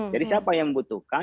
jadi siapa yang membutuhkan